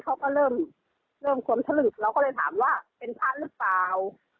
เขาก็เริ่มความถลึกเราก็เลยถามว่าเป็นพระหรือเปล่า